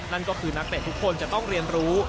นั่นก็คือนักเตะทุกคนจะต้องเรียนรู้